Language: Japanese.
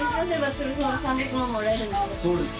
そうです。